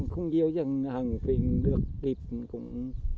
hiệp cũng ba mươi